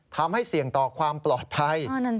ทำให้เสี่ยงต่อความปลอดภัย